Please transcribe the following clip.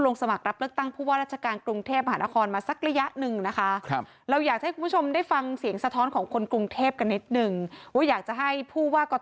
ลงสมัครรับเลิกตั้งผู้เมื่อละเชียงกรุงเทพฯภาค